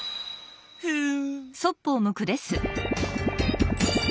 ふん！